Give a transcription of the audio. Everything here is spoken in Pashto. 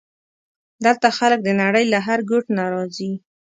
دلته خلک د نړۍ له هر ګوټ نه راځي.